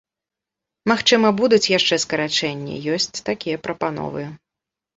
Магчыма, будуць яшчэ скарачэнні, ёсць такія прапановы.